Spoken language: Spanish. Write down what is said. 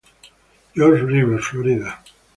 Johns River, Florida.